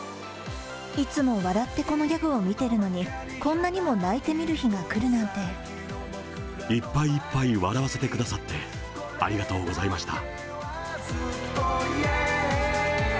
いつも笑ってこのギャグを見てるのに、こんなにも泣いて見るいっぱいいっぱい笑わせてくださって、ありがとうございました。